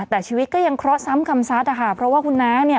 แต่ชีวิตก็ยังเคราะห์ซ้ำคำซัดนะคะเพราะว่าคุณน้าเนี่ย